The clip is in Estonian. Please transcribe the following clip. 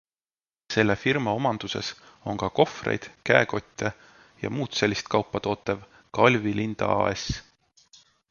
Selle firma omanduses on ka kohvreid, käekotte jms kaupa tootev Galvi-Linda AS.